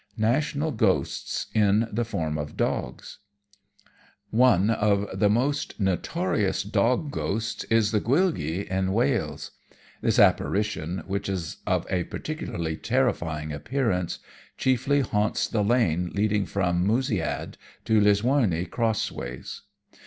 National Ghosts in the form of Dogs One of the most notorious dog ghosts is the Gwyllgi in Wales. This apparition, which is of a particularly terrifying appearance, chiefly haunts the lane leading from Mousiad to Lisworney Crossways.